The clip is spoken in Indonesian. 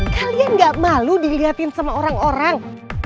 kalian gak malu dilihatin sama orang orang